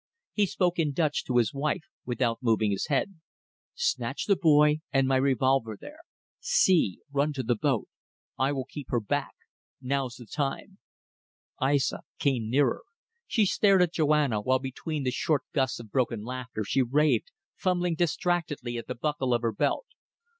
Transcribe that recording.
He spoke in Dutch to his wife, without moving his head. "Snatch the boy and my revolver there. See. Run to the boat. I will keep her back. Now's the time." Aissa came nearer. She stared at Joanna, while between the short gusts of broken laughter she raved, fumbling distractedly at the buckle of her belt.